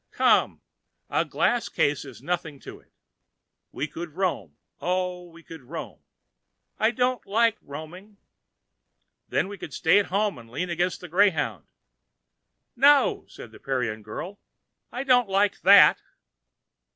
Come, a glass case is nothing to it. We could roam; oh, we could roam!" "I don't like roaming." "Then we could stay at home, and lean against the greyhound." "No," said the Parian girl, "I don't like that."